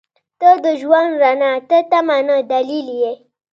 • ته د ژوند رڼا ته تمه نه، دلیل یې.